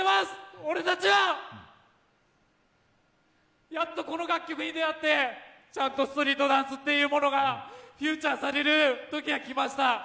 俺たちは、やっとこの楽曲に出会ってちゃんとストリートダンスというものがフューチャーされるときが来ました。